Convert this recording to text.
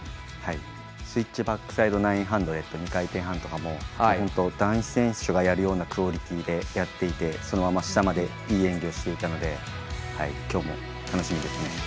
スイッチバックサイド９００２回転半とかも男子選手がやるようなクオリティーでやっていてそのまま下までいい演技をしていたので今日も楽しみですね。